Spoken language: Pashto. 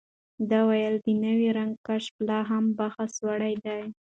ده وویل، د نوي رنګ کشف لا هم بحثوړ دی.